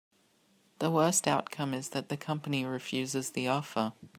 The worst outcome is that the company refuses the offer.